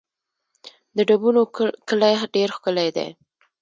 د ډبونو کلی ډېر ښکلی دی